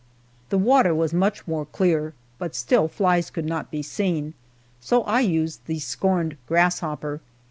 The water was much more clear, but still flies could not be seen, so I used the scorned grasshopper.